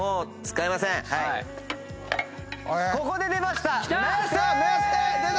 ここで出ました。